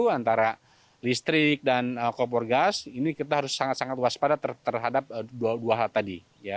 antara listrik dan kompor gas ini kita harus sangat sangat waspada terhadap dua hal tadi